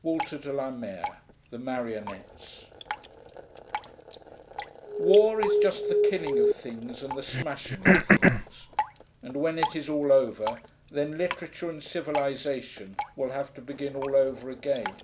WALTER DE LA MARE, The Marionettes. 'War is just the killing of things and the smashing of things. And when it is all over, then literature and civilisation will have to begin all over again.